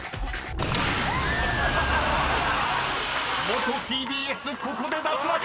［元ＴＢＳここで脱落！］